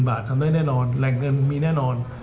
บาททำได้แน่นอนแหล่งเงินมีแน่นอน